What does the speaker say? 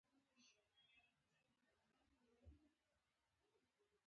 هندي شعر په معنا او مضمون څرخي نه په شکل